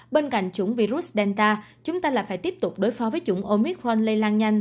bên cạnh chủng virus delta chúng ta là phải tiếp tục đối phó với chủng omicron lây lan nhanh